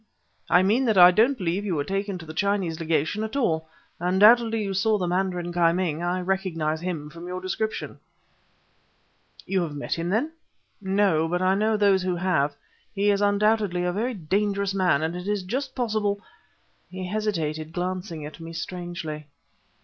"I mean that I don't believe you were taken to the Chinese Legation at all. Undoubtedly you saw the mandarin Ki Ming; I recognize him from your description." "You have met him, then?" "No; but I know those who have. He is undoubtedly a very dangerous man, and it is just possible " He hesitated, glancing at me strangely.